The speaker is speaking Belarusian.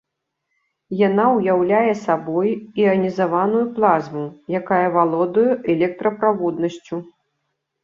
Яна ўяўляе сабой іанізаваную плазму, якая валодае электраправоднасцю.